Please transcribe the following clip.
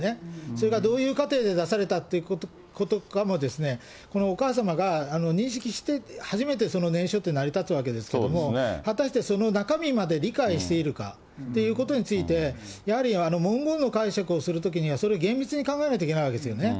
それがどういう過程で、出されたということかも、このお母様が認識して、初めてその念書って成り立つわけですけれども、果たしてその中身まで理解しているかっていうことについて、やはり文言の解釈をするときには、それ厳密に考えないといけないわけですよね。